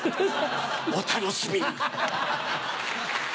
お楽しみに。